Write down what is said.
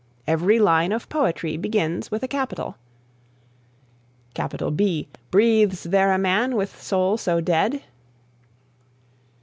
(4) Every line of poetry begins with a capital; "Breathes there a man with soul so dead?"